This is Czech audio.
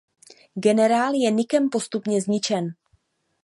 Generál je Nickem postupně zničen.